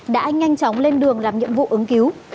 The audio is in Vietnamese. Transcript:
đã nhanh chóng lên đường làm nhiệm vụ ứng cứu